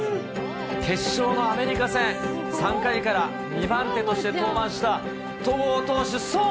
決勝のアメリカ戦、３回から２番手として登板した戸郷投手、そう。